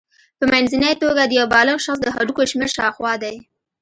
په منځنۍ توګه د یو بالغ شخص د هډوکو شمېر شاوخوا دی.